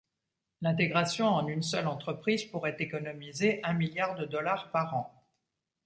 L’intégration en une seule entreprise pourrait économiser un milliard de dollars par an.